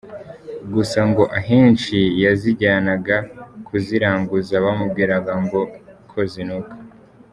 Gusa ngo ahenshi yazijyanaga kuziranguza, bamubwiraga ko zinuka.